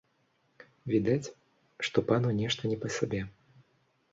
Відаць, што пану нешта не па сабе.